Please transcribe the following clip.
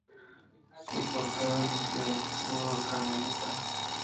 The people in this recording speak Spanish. En su portada lucía el escudo carmelita.